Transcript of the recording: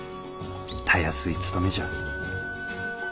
たやすい務めじゃ」。